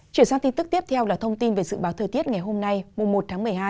chuyển sang tin tức tiếp theo là thông tin về dự báo thời tiết ngày hôm nay một tháng một mươi hai